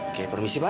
oke permisi pak